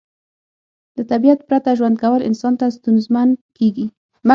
له طبیعت پرته ژوند کول انسان ته ستونزمن کیږي